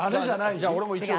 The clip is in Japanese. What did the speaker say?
じゃあ俺も一応。